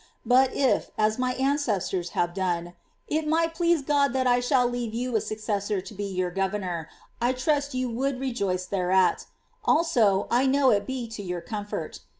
But if, as my ancestors ha\'e done, it might please God tluit I should leave you a suc cessor to be your governor, I trust you would rejoice thereat; also, 1 know U would be to your comfort.